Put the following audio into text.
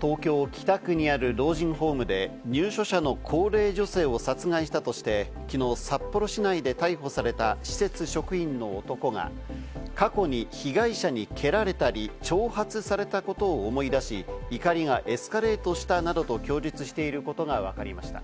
東京・北区にある老人ホームで入所者の高齢女性を殺害したとして、昨日、札幌市内で逮捕された施設職員の男が過去に被害者に蹴られたり、挑発されたことを思い出し、怒りがエスカレートしたなどと供述していることがわかりました。